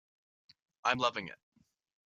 I'm loving it.